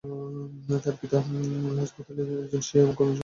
তার পিতা হাজ-ফাতালি ছিলেন একজন শিয়া এবং কমিউনিস্ট বিরোধী।